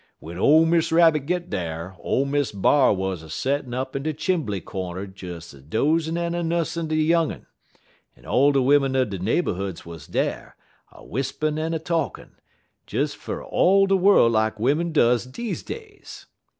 W'en ole Miss Rabbit git dar, ole Miss B'ar wuz a settin' up in de chimbly cornder des a dosin' en a nussin' de young un; en all de wimmin er de neighborhoods wuz dar, a whispun en a talkin', des fer all de worl' lak wimmin does deze days.